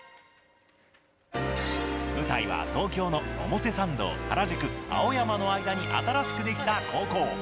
舞台は東京の表参道、原宿、青山の間に新しくできた高校。